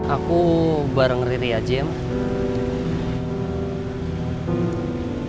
aku bareng riri aja emang